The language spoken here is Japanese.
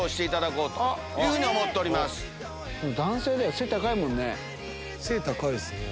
背高いですね。